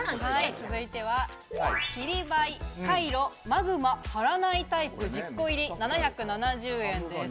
続いては桐灰カイロマグマ貼らないタイプ１０個入り、７７０円です。